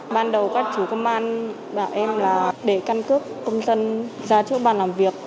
ban đầu các chú công an bảo em là để căn cước công dân ra trước bàn làm việc